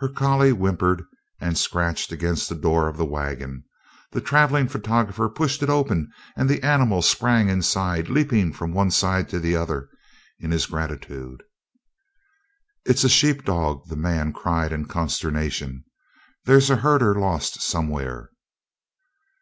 Her collie whimpered and scratched again at the door of the wagon. The traveling photographer pushed it open and the animal sprang inside, leaping from one to the other in his gratitude. "It's a sheep dog!" the man cried in consternation. "There's a herder lost somewhere."